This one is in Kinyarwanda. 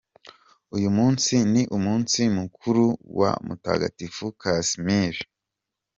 Uyu munsi ni umunsi mukuru wa Mutagatifu Casimir.